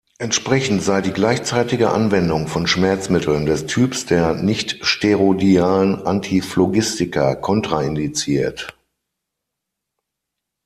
Entsprechend sei die gleichzeitige Anwendung von Schmerzmitteln des Typs der nichtsteroidalen Antiphlogistika kontraindiziert.